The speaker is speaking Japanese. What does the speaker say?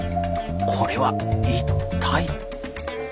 これは一体。